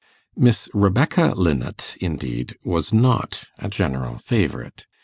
Miss Rebecca Linnet, indeed, was not a general favourite.